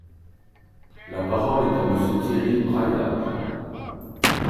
La parole est à Monsieur Thierry Braillard.